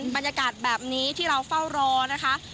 บรรยากาศแบบนี้ที่เราเฝ้ารอนะคะ